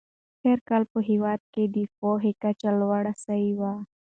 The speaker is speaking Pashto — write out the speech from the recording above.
تېر کال په هېواد کې د پوهې کچه لوړه سوه.